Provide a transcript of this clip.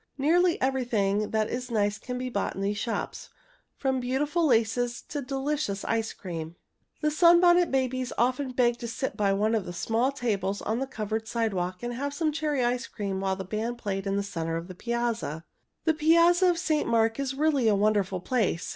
Nearly everything that is nice can be bought in these shops, from beautiful laces to delicious ice cream. [Illustration: The Sunbonnet Babies often had cherry ice cream] The Sunbonnet Babies often begged to sit by one of the small tables on the covered sidewalk and have some cherry ice cream while the band played in the center of the piazza. The Piazza of St. Mark is really a wonderful place.